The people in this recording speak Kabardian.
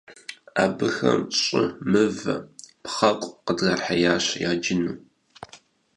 Абыхэм щӀы, мывэ, пхъэкъу къыдрахьеящ яджыну.